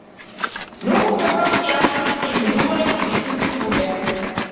Многу програмски јазици се именувани по вистински луѓе.